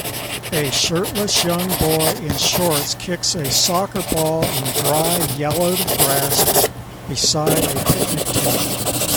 A shirtless young boy in shorts kicks a soccer ball in dry yellowed grass beside a picnic table